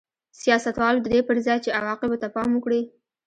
سیاستوالو د دې پر ځای چې عواقبو ته پام وکړي